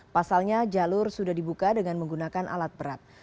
pasalnya jalur sudah dibuka dengan menggunakan alat berat